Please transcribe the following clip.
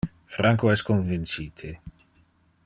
Franco es convincite.